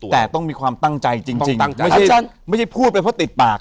แต่ต้องมีความตั้งใจจริงไม่ใช่พูดไปเพราะติดปาก